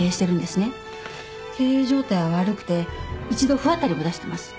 経営状態は悪くて一度不渡りを出してます。